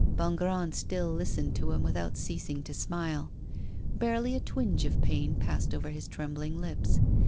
Bongrand still listened to him without ceasing to smile. Barely a twinge of pain passed over his trembling lips.